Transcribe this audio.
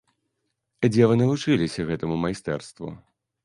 Дзе вы навучыліся гэтаму майстэрству?